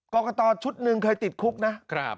กรกตชุดหนึ่งเคยติดคุกนะ